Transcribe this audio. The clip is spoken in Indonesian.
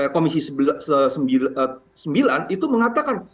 komisi sembilan itu mengatakan